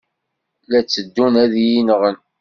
La tteddun ad iyi-nɣen.